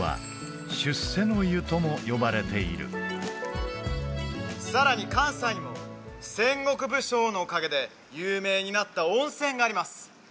「出世の湯」とも呼ばれているさらに関西にも戦国武将のおかげで有名になった温泉があります